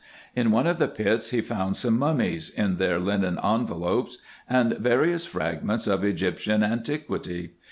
In one of the pits he found some mummies, in their linen envelopes, and various fragments of Egyptian antiquity.